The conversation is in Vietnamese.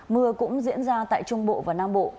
mưa cũng diễn ra tại trung bộ và nam bộ